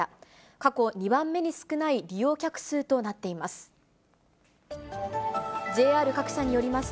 過去２番目に少ない利用客数となっています。